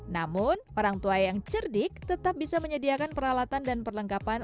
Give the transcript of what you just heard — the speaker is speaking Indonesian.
namun orang tua yang cerdik tetap bisa menyediakan peralatan dan perlengkapan